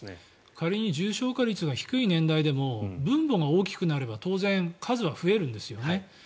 仮に重症化率が低い年代でも分母が大きくなれば当然、数は増えるんですよね。